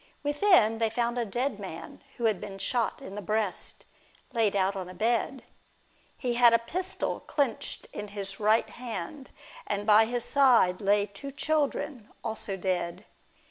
Within, they found a dead man, who had been shot in the breast, laid out on a bed. He had a pistol clenched in his right hand, and by his side lay two children, also dead.